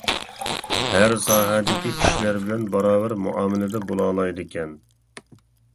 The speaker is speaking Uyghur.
ھەر ساھەدىكى كىشىلەر بىلەن باراۋەر مۇئامىلىدە بولالايدىكەن.